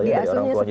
diasuhnya seperti itu